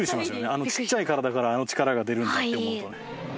あのちっちゃい体からあの力が出るんだって思うとね